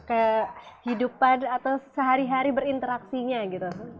kehidupan atau sehari hari berinteraksinya gitu